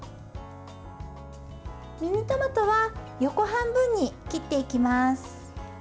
ミニトマトは横半分に切っていきます。